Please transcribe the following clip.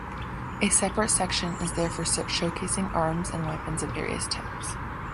A separate section is there for showcasing arms and weapons of various types.